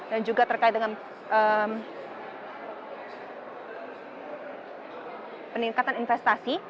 dan juga terkait dengan peningkatan investasi